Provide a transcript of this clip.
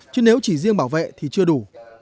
chứ nếu chỉ riêng bảo vệ thì chưa đủ